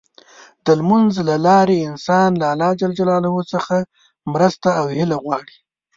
د لمونځ له لارې انسان له الله څخه مرسته او هيله غواړي.